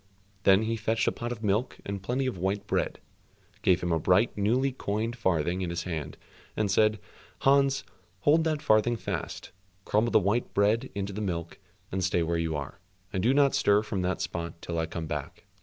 Then he fetched a pot of milk and plenty of white bread, gave him a bright newly coined farthing in his hand, and said, "Hans, hold that farthing fast, crumble the white bread into the milk, and stay where you are, and do not stir from that spot till I come back."